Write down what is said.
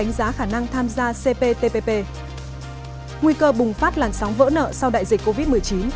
nguy cơ bùng phát làn sóng vỡ nợ sau đại dịch covid một mươi chín